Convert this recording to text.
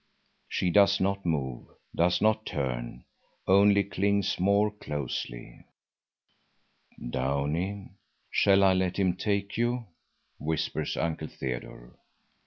She does not move, does not turn, only clings more closely. "Downie, shall I let him take you?" whispers Uncle Theodore.